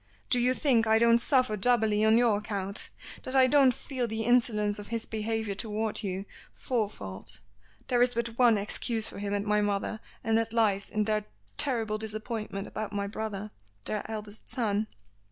"Do you think I don't suffer doubly on your account? That I don't feel the insolence of his behavior toward you four fold? There is but one excuse for him and my mother, and that lies in their terrible disappointment about my brother their eldest son."